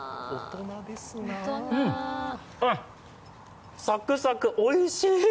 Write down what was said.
うん、あっ、サクサク、おいしい！